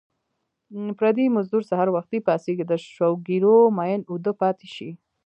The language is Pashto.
پردی مزدور سحر وختي پاڅېږي د شوګیرو مین اوده پاتې شي